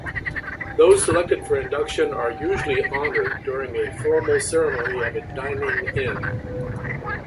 Those selected for induction are usually honored during a formal ceremony at a dining-in.